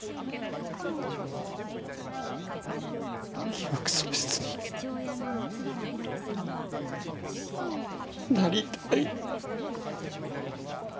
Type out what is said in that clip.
記憶喪失になりたい。